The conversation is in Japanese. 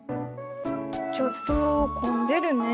ちょっと混んでるね。